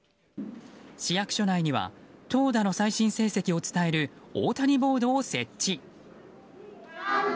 市役所内には投打の最新成績を伝える大谷ボードを設置。